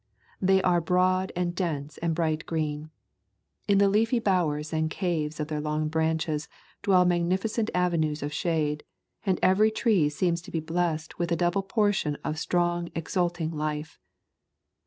They are broad and dense and bright green. In the leafy bowers and caves of their long branches dwell magnificent avenues of shade, and every tree seems to be blessed with a double portion of strong exulting life.